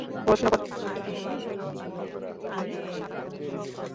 প্রশ্নপত্র ফাঁস রোধে আইনের প্রয়োগ কালো কালিতে লিপিবদ্ধ সাদা কাগজের ফ্রেমেই সীমাবদ্ধ।